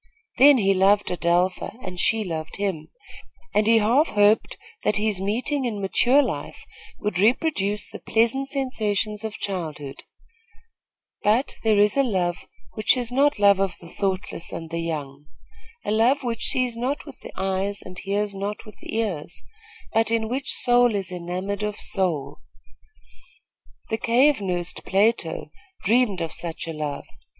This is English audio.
Then he loved Adelpha, and she loved him, and he half hoped that this meeting in mature life would reproduce the pleasant sensations of childhood; but there is a love which is not the love of the thoughtless and the young a love which sees not with the eyes and hears not with the ears, but in which soul is enamoured of soul. The cave nursed Plato dreamed of such a love.